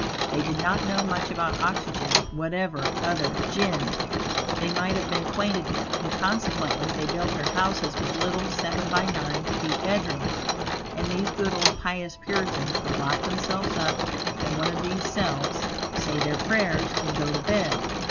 They did not know much about oxygen, whatever other "gin" they might have been acquainted with; and consequently they built their houses with little seven by nine feet bedrooms, and these good old pious Puritans would lock themselves up in one of these cells, say their prayers and go to bed.